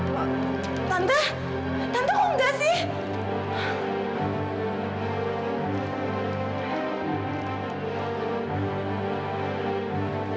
tante tante mau nggak sih